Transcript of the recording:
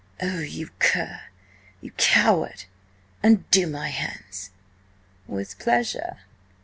"Oh, you cur!–you coward! Undo my hands!" "With pleasure."